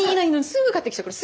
すぐ買ってきちゃうから。